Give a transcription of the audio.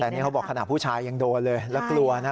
แต่นี่เขาบอกขณะผู้ชายยังโดนเลยแล้วกลัวนะ